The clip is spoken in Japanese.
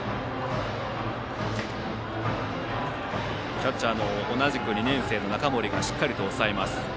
キャッチャーの同じく２年生の中森がしっかり押さえています。